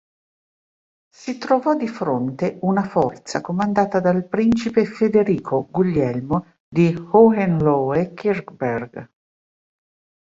Si trovò di fronte una forza comandata dal principe Federico Guglielmo di Hohenlohe-Kirchberg.